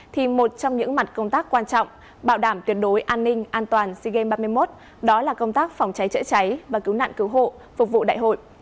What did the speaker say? thì một trong những mặt công tác quan trọng bảo đảm tuyệt đối an ninh an toàn sea games ba mươi một đó là công tác phòng cháy chữa cháy và cứu nạn cứu hộ phục vụ đại hội